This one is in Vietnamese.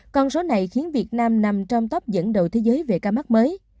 con số này khiến việt nam nằm trong top dẫn đầu thế giới về ca mắc mới